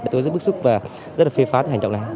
tôi rất bức xúc và rất phê phán hành trọng này